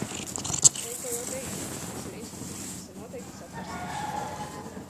Veiko jau teica, ka tas ir instruments, kas ir noteikts Satversmē.